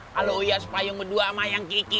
kalo uya sepayung kedua sama ayang kiki